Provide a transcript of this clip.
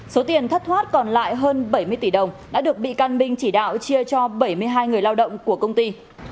số tiền thất thoát còn lại hơn bảy mươi tỷ đồng đã được bị can binh chỉ đạo chia cho bảy mươi hai người lao động của công ty